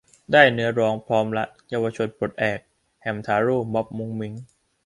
ได้เนื้อร้อง พร้อมละ เยาวชนปลดแอก แฮมทาโร่ ม็อบมุ้งมิ้ง